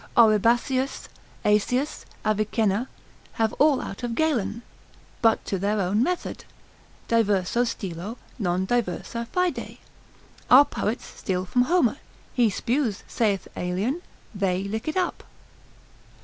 Oribasius, Aesius, Avicenna, have all out of Galen, but to their own method, diverso stilo, non diversa fide. Our poets steal from Homer; he spews, saith Aelian, they lick it up.